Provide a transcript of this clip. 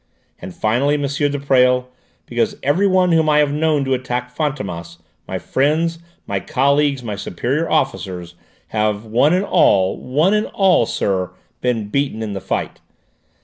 And finally, M. de Presles, because every one whom I have known to attack Fantômas, my friends, my colleagues, my superior officers, have one and all, one and all, sir, been beaten in the fight!